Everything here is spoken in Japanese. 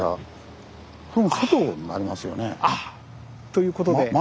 ああということで。